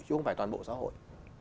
chứ không phải toàn bộ xã hội